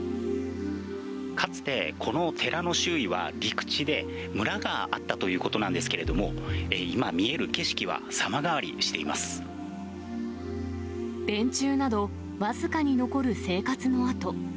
かつてこの寺の周囲は陸地で、村があったということなんですけれども、今見える景色は様変わり電柱など、僅かに残る生活の跡。